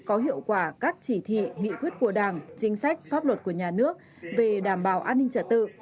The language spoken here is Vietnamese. có hiệu quả các chỉ thị nghị quyết của đảng chính sách pháp luật của nhà nước về đảm bảo an ninh trật tự